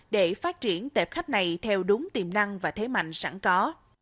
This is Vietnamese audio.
để phát triển tệp khách này theo đúng tiềm năng và thế mạnh sẵn có